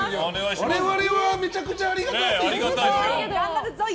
我々はめちゃくちゃありがたいですけど。